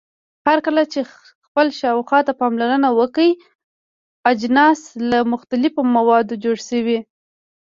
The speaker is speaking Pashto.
هرکله چې خپل شاوخوا ته پاملرنه وکړئ اجناس له مختلفو موادو جوړ شوي.